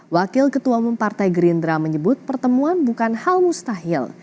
wakil ketua umum partai gerindra menyebut pertemuan bukan hal mustahil